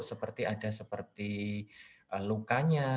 seperti ada seperti lukanya